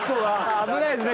危ないですね